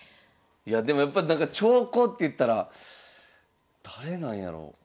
いやでもやっぱなんか長考っていったら誰なんやろう？